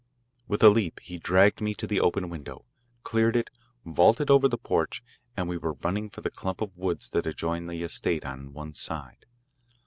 With a leap he dragged me to the open window, cleared it, vaulted over the porch, and we were running for the clump of woods that adjoined the estate on one side.